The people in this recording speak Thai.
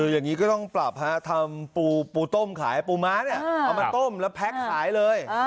อย่างนี้ก็ต้องปรับฮะทำปูต้มขายปูม้าเนี่ยเอามาต้มแล้วแพ็คขายเลย